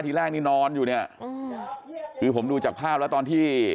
ทีแรกนี่นอนอยู่เนี่ยคือผมดูจากภาพแล้วตอนที่